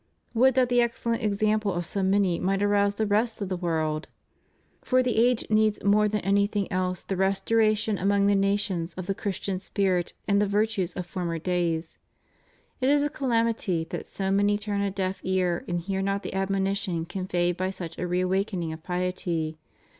Would that the excellent example of so many might arouse the rest of the world! For the age needs 462 CHRIST OUR REDEEMER. 463 more than anything else the restoration among the nations of the Christian spirit and the virtues of former daj' s. It is a calamity that so many turn a deaf ear and hear not the admonition conveyed by such a reawakening of piety.